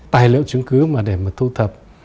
tài liệu chứng cứ mà để mà thu thập